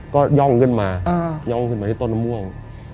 ก็ย่องขึ้นมาย่องขึ้นมาที่ต้นมะม่วง